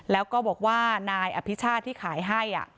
แล้วก็บอกว่านายอภิชาติที่ขายให้